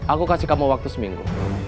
aku kasih kamu waktu seminggu